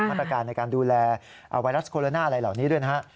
มาตรการในการดูแลไวรัสโคโรนาอะไรเหล่านี้ด้วยนะฮะ